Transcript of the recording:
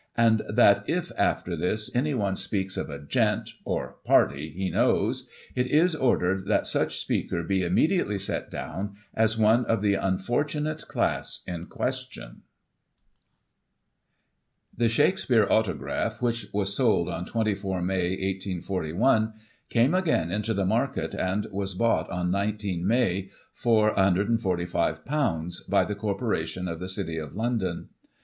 And that if, after this, anyone speaks of a " Gent," or " Party " he knows, it is ordered that such speaker be immediately set down as one of the unfortimate class in question. The Shakspere autograph which was sold on 24 May, 1 841, came again into the market, and was bought on 19 May, for ;£'i45, by the Corporation of the City of London.